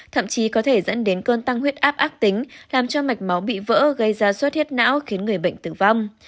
thậm chí có thể dẫn đến cơn tăng huyết áp ác tính làm cho mạch máu bị vỡ gây ra suất huyết não khiến người bệnh tử vong